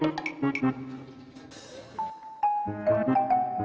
itu baker pleasant